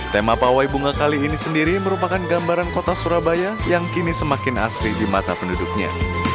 tema pawai bunga kali ini sendiri merupakan gambaran kota surabaya yang kini semakin asli di mata penduduknya